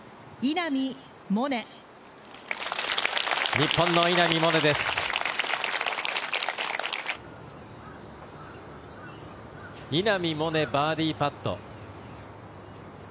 稲見萌寧バーディーパット。